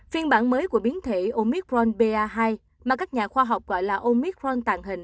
phiên bản mới của biến thể omicron ba hai mà các nhà khoa học gọi là omicron tàn hình